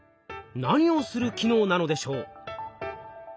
何をする機能なのでしょう？